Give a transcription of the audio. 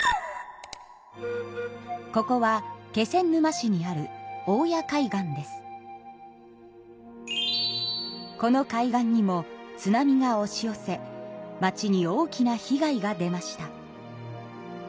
ここは気仙沼市にあるこの海岸にも津波がおし寄せ町に大きな被害が出ました。